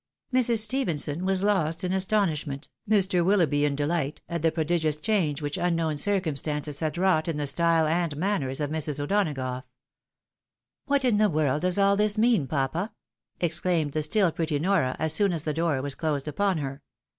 Mrs. Stephenson was lost in astonishment, Mr. Willoughby in dehght, at the prodigious change which unknown cir cumstances had wrought in the style and manners of Mrs. O'Donagough. " What in the world does aU this mean, papa? " exclaimed the stiU pretty Nora, as soon as the door was closed upon her.